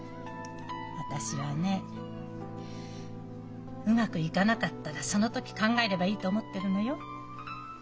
私はねえうまくいかなかったらその時考えればいいと思ってるのよ。